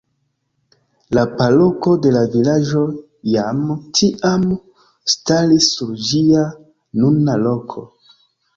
La paroko de la vilaĝo jam tiam staris sur ĝia nuna loko.